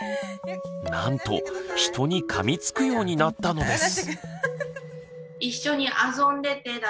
なんと人にかみつくようになったのです。